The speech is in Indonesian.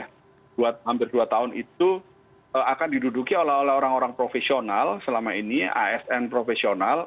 hampir dua tahun itu akan diduduki oleh orang orang profesional selama ini asn profesional